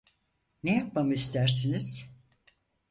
Ne yapmamı istersiniz?